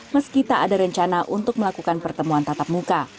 meski tak ada rencana untuk melakukan pertemuan tatap muka